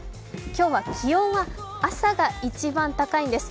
今日は気温は朝が一番高いんです。